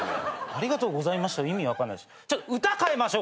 「ありがとうございました」の意味分かんないし。